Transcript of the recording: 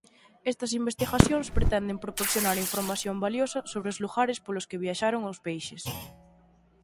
Estas investigacións pretenden proporcionar información valiosa sobre os lugares polos que viaxaron os peixes.